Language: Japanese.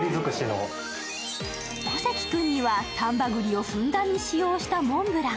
小関君には丹波栗をふんだんに使用したモンブラン。